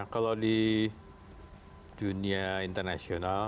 kalau di dunia internasional